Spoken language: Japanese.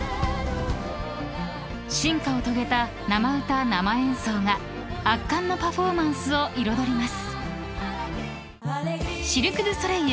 ［進化を遂げた生歌生演奏が圧巻のパフォーマンスを彩ります］